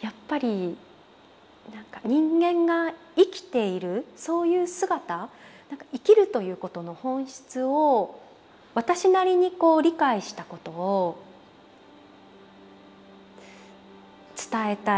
やっぱり人間が生きているそういう姿生きるということの本質を私なりに理解したことを伝えたい。